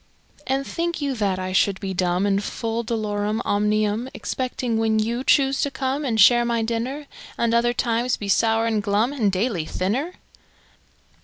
And think you that I should be dumb, And full dolorum omnium, Excepting when you choose to come And share my dinner? At other times be sour and glum And daily thinner?